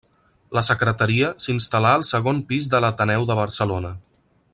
La Secretaria s'instal·là al segon pis de l'Ateneu de Barcelona.